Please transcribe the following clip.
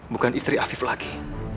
bukan istri afif lagi